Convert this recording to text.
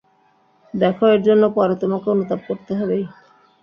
দেখো এর জন্যে পরে তোমাকে অনুতাপ করতে হবেই।